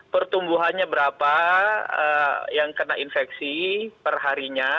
pertumbuhannya berapa yang kena infeksi perharinya